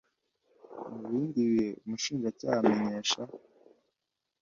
Mu bindi bihe umushinjacyaha amenyesha